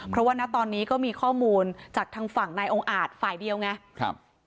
เพราะว่าณตอนนี้ก็มีข้อมูลจากทางฝั่งนายองค์อาจฝ่ายเดียวไงครับ